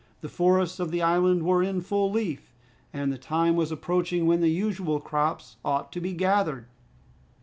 The forests of the island were in full leaf, and the time was approaching when the usual crops ought to be gathered.